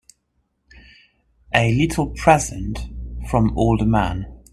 A little present from old man.